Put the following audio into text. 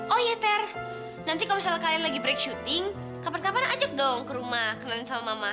oh iya ter nanti kalau misalnya kalian lagi break syuting kapan kapan ajak dong ke rumah kenal sama mama